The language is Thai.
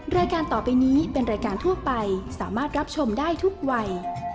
รายการต่อไปนี้เป็นรายการทั่วไปสามารถรับชมได้ทุกวัย